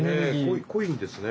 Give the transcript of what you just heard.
濃いんですね。